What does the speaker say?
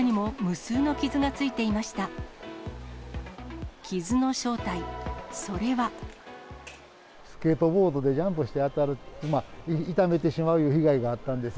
スケートボードでジャンプして当たる、傷めてしまういう被害があったんです。